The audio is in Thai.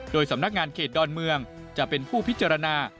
โดยสำนักงานเขตดอนเมืองจะเป็นผู้พิจารณา